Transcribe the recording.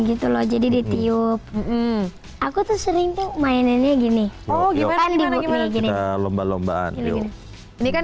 gitu loh jadi ditiup aku tuh sering tuh mainannya gini oh gimana gini lomba lombaan ini kan